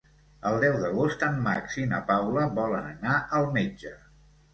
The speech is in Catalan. El deu d'agost en Max i na Paula volen anar al metge.